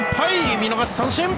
見逃し三振。